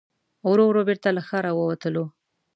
ورو ورو بېرته له ښاره ووتلو.